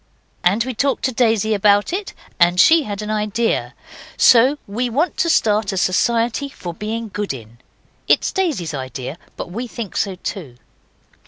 And we talked to Daisy about it, and she had an idea. So we want to start a society for being good in. It is Daisy's idea, but we think so too.